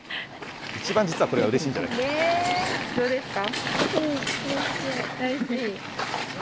いちばん実はこれがうれしいんじゃないですか。